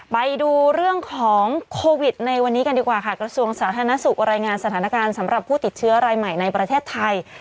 ไปดูเรื่องของโควิดในวันนี้กันดีกว่าค่ะกระทรวงสาธารณสุขรายงานสถานการณ์สำหรับผู้ติดเชื้อรายใหม่ในประเทศไทย